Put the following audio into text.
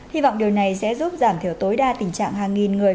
hy vọng điều này sẽ giúp giảm thiểu tối đa tình trạng hàng nghìn người